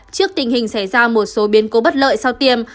trước tình hình xảy ra một số biến cố bất lợi sau tiêm